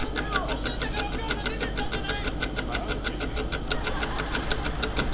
そんなんだからお母さん出てったんじゃないマジ？